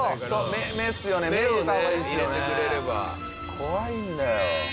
怖いんだよ。